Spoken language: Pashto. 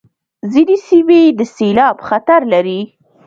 ځینې سیمې د سېلاب خطر لري.